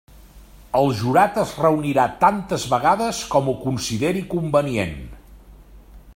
El jurat es reunirà tantes vegades com ho consideri convenient.